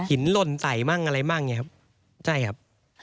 หินล่นไตมั่งอะไรมั่งใช่ครับ